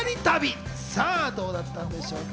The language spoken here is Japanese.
さぁ、どうだったんでしょうか。